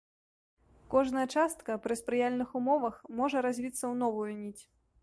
Кожная частка пры спрыяльных умовах можа развіцца ў новую ніць.